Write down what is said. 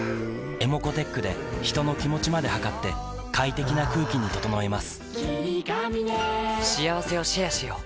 ｅｍｏｃｏーｔｅｃｈで人の気持ちまで測って快適な空気に整えます